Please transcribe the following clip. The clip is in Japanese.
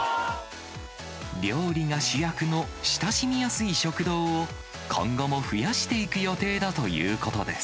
料理が主役の親しみやすい食堂を今後も増やしていく予定だということです。